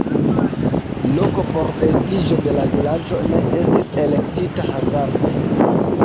Loko por estiĝo de la vilaĝo ne estis elektita hazarde.